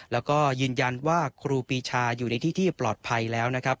แล้วก็ยืนยันว่าครูปีชาอยู่ในที่ที่ปลอดภัยแล้วนะครับ